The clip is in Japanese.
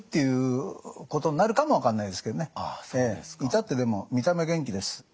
至ってでも見た目元気です。